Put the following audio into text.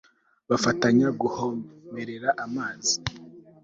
bafatanya guhomerera abanzi